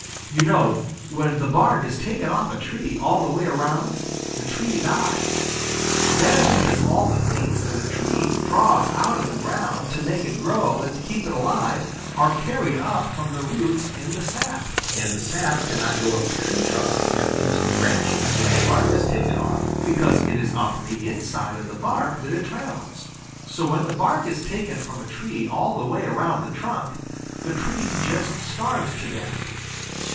You know, when the bark is taken off a tree all the way around, the tree dies. That is because all the things that a tree draws out of the ground to make it grow and keep it alive are carried up from the roots in the sap, and the sap cannot go up the tree trunks and into the branches when the bark is taken off, because it is up the inside of the bark that it travels. So when the bark is taken from a tree all the way around the trunk, the tree just starves to death.